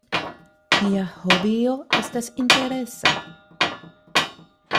Mia hobio estas interesa.